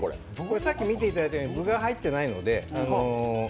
さっき見ていただいたように具は入ってないので。